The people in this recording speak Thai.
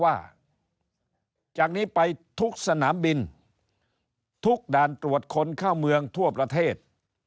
ว่าจากนี้ไปทุกสนามบินทุกด่านตรวจคนเข้าเมืองทั่วประเทศ